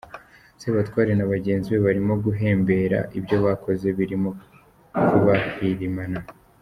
Sebatware na Bagenzi be barimo guhembera ibyo bakoze birimo kubahirimana.